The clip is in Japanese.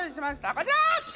こちら！